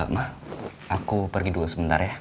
mah aku pergi dulu sebentar ya